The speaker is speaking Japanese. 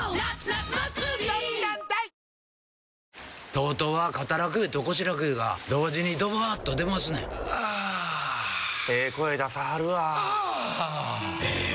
ＴＯＴＯは肩楽湯と腰楽湯が同時にドバーッと出ますねんあええ声出さはるわあええ